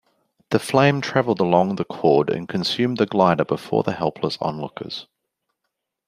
The flame travelled along the cord and consumed the glider before the helpless onlookers.